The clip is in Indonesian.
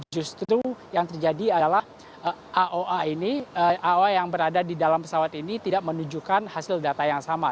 justru yang terjadi adalah aoa ini aoa yang berada di dalam pesawat ini tidak menunjukkan hasil data yang sama